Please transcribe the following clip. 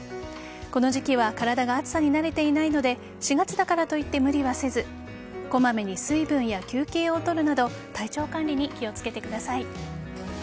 この時期は体が暑さに慣れていないので４月だからといって無理はせずこまめに水分や休憩を取るなど体調管理に気をつけてください。